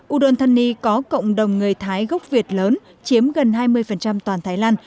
udon thani có cộng đồng người thái gốc việt lớn chiếm gần hai mươi toàn thái lan